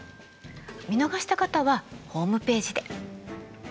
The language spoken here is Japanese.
見逃した方はホームページで。